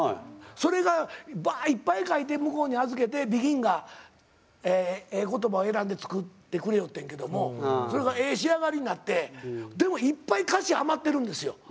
それがバーッいっぱい書いて向こうに預けてＢＥＧＩＮがええ言葉を選んで作ってくれよってんけどもそれがええ仕上がりになってでもいっぱい歌詞余ってるんですよ。